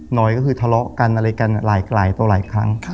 หน่อยก็คือทะเลาะกันอะไรกันหลายต่อหลายครั้ง